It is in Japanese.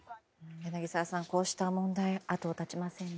柳澤さん、こうした問題後を絶ちませんね。